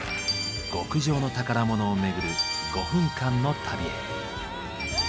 極上の宝物をめぐる５分間の旅へ。